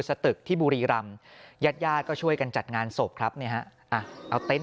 สตึกที่บุรีรำญาติญาติก็ช่วยกันจัดงานศพครับเนี่ยฮะเอาเต็นต